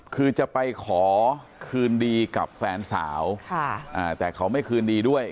คือจะไปขอคืนดีกับแฟนสาวแต่เขาไม่คืนดีด้วย